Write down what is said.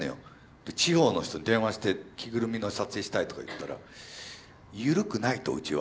で地方の人に電話して「着ぐるみの撮影したい」とか言ったらゆるくないとうちは。